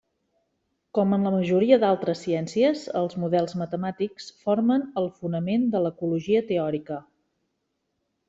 Com en la majoria d'altres ciències els models matemàtics formen el fonament de l'ecologia teòrica.